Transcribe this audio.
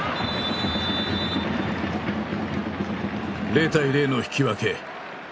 ０対０の引き分け。